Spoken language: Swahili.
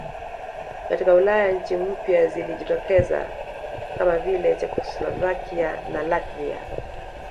Katika Ulaya nchi mpya zilijitokeza kama vile Chekoslovakia na Latvia